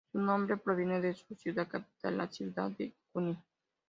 Su nombre proviene de su ciudad capital, la ciudad de Kumi.